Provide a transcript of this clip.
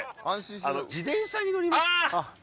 自転車に乗りますああ！